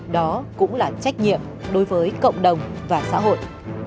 đó cũng là trách nhiệm đối với cộng đồng và xã hội